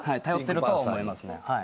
頼ってるとは思いますね。